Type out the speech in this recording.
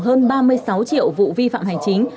hơn ba mươi sáu triệu vụ vi phạm hành chính